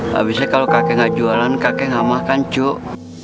habisnya kalau kakek nggak jualan kakek nggak makan cok